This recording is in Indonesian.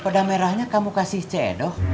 kuda merahnya kamu kasih cee edo